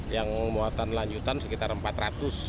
yang muatan lanjutan sekitar empat ratus empat ratus tujuh